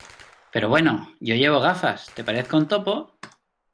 ¡ pero bueno! yo llevo gafas. ¿ te parezco un topo?